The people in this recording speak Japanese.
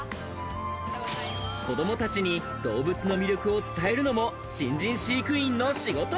子どもたちに動物の魅力を伝えるのも新人飼育員の仕事。